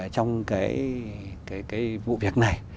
trong cái vụ việc này